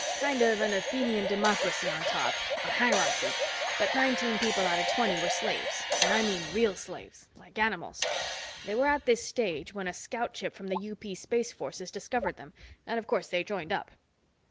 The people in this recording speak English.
Kind of an Athenian Democracy on top, a hierarchy, but nineteen people out of twenty were slaves, and I mean real slaves, like animals. They were at this stage when a scout ship from the UP Space Forces discovered them and, of course, they joined up."